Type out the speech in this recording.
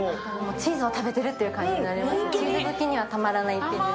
チーズを食べてるって感じになりますよね。